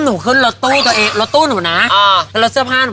หนูก็ไปกัน